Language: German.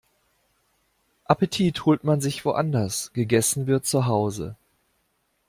Appetit holt man sich woanders, gegessen wird zuhause.